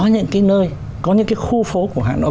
những cái nơi có những cái khu phố của hà nội